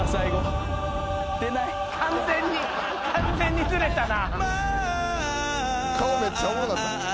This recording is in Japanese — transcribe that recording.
完全に完全にずれたな。